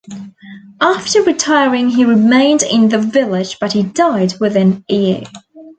After retiring he remained in the village but he died within a year.